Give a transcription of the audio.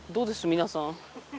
皆さん。